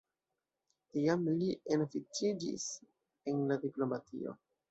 Tiam li enoficiĝis en la diplomatio.